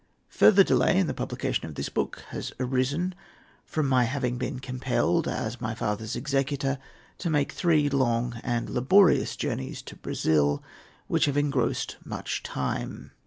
Further delay in the publication of this book has arisen from my having been compelled, as my father's executor, to make three long and laborious journeys to Brazil, which have engrossed much time.